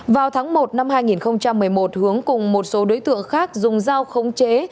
vào tháng một năm hai nghìn một mươi một hướng cùng một số đối tượng khác dùng dao khống chế